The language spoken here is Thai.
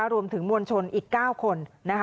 รวมถึงมวลชนอีก๙คน